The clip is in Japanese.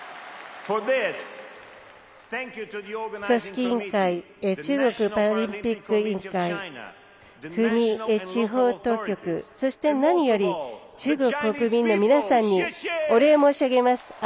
組織委員会中国パラリンピック委員会国、地方当局、そして何より中国国民の皆さんにお礼を申し上げます。